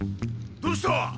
どうした？